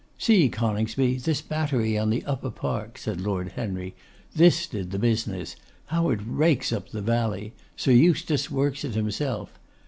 'See, Coningsby, this battery on the Upper Park,' said Lord Henry. 'This did the business: how it rakes up the valley; Sir Eustace works it himself.